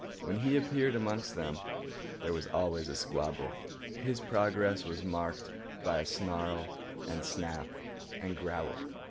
When he appeared amongst them, there was always a squabble. His progress was marked by snarl and snap and growl.